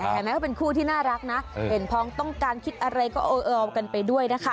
แม้ว่าเป็นคู่ที่น่ารักนะเห็นพ้องต้องการคิดอะไรก็เออกันไปด้วยนะคะ